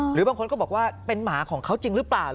หรือบางคนก็บอกว่าเป็นหมาของเขาจริงหรือเปล่า